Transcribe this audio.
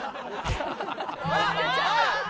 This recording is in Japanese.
あっ！